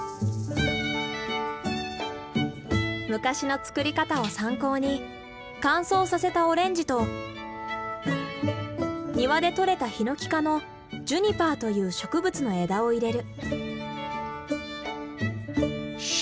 昔の作り方を参考に乾燥させたオレンジと庭で取れたヒノキ科のジュニパーという植物の枝を入れる。